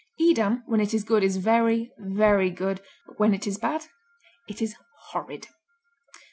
Edam when it is good is very, very good, but when it is bad it is horrid.